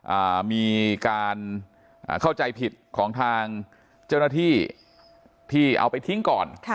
อ่ามีการอ่าเข้าใจผิดของทางเจ้าหน้าที่ที่เอาไปทิ้งก่อนค่ะ